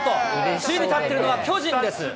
首位に立ってるのは巨人です。